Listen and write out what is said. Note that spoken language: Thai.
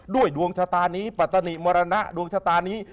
ดวงชะตานี้ปัตตนิมรณะดวงชะตานี้